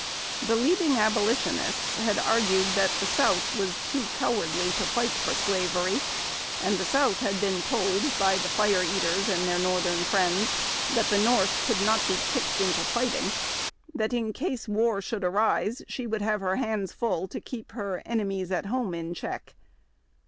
The leading Abolitionists had argued that the South was too cowardl}^ to light for slavery ; and the South had been told by the •' Fire eaters " and its northern friends that the North could not be kicked into fighting ; that in case war should arise she would have iier hands full to keep her enemies at home in check.